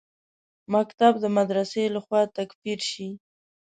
مکتب د مدرسې لخوا تکفیر شي.